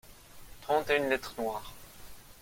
Trente et une lettres noires.